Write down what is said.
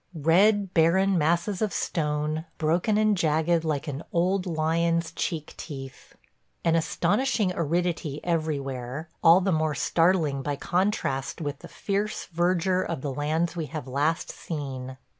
... Red barren masses of stone, broken and jagged like "An old lion's cheek teeth." ... An astonishing aridity everywhere, all the more startling by contrast with the fierce verdure of the lands we have last seen.